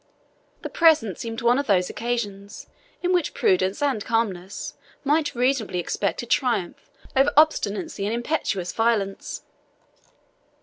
The present seemed one of those occasions in which prudence and calmness might reasonably expect to triumph over obstinacy and impetuous violence.